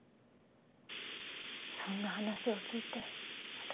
そんな話を聞いて私。